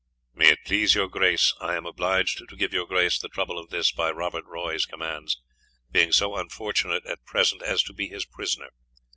"May it please your Grace, I am obliged to give your Grace the trouble of this, by Robert Roy's commands, being so unfortunate at present as to be his prisoner.